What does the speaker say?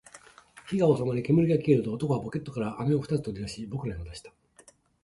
火が収まり、煙が消えると、男はポケットから飴を二つ取り出し、僕らに渡した